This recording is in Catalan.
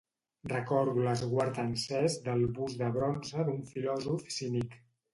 Recordo l'esguard encès del bust de bronze d'un filòsof cínic.